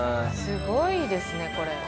すごいですねこれ。